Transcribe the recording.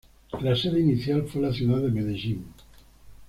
La sede inicial fue la ciudad de Medellín.